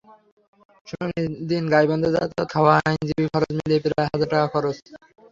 শুনানির দিন গাইবান্ধায় যাতায়াত, খাওয়া, আইনজীবীর খরচ মিলিয়ে প্রায় হাজার টাকা খরচা।